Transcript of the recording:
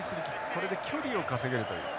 これで距離を稼げるという。